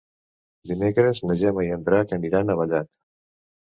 Dimecres na Gemma i en Drac aniran a Vallat.